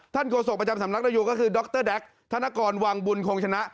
โฆษกประจำสำนักนโยก็คือดรแด๊กธนกรวังบุญคงชนะ